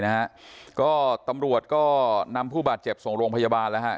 นะฮะก็ตำรวจก็นำผู้บาดเจ็บส่งโรงพยาบาลแล้วฮะ